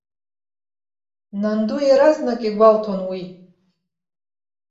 Нанду иаразнак игәалҭон уи.